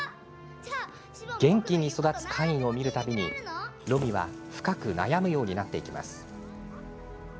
元気に育つカインを見る度ロミは深く悩むようになっていきます。